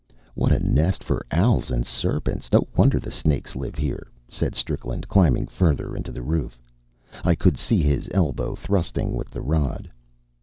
"What a nest for owls and serpents! No wonder the snakes live here," said Strickland, climbing further into the roof. I could see his elbow thrusting with the rod.